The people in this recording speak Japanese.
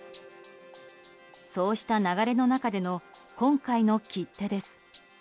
そうした流れの中での今回の切手です。